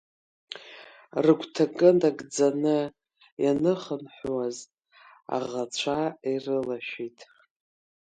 Рыгәҭакы нагӡаны ианыхынҳәуаз аӷацәа ирылашәеит.